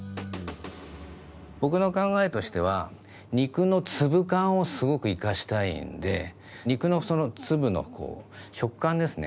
僕の考えとしては肉の粒感をすごく生かしたいんで肉の粒のこう食感ですね